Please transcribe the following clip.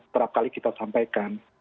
setiap kali kita sampaikan